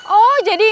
apa tuh ash